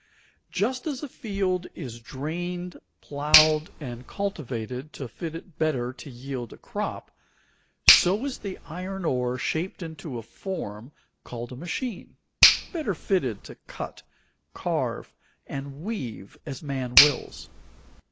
Just as a field is drained, plowed, and cultivated to fit it better to yield a crop, so is the iron ore shaped into a form called a machine, better fitted to cut, carve, and weave as man wills.